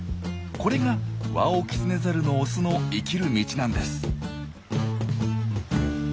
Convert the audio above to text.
これがワオキツネザルのオスの生きる道なんです。